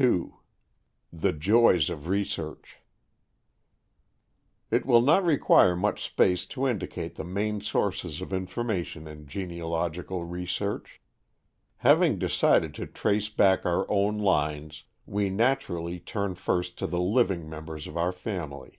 II THE JOYS OF RESEARCH It will not require much space to indicate the main sources of information in genealogical research. Having decided to trace back our own lines, we naturally turn first to the living members of our family.